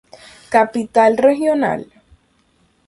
Capital regional.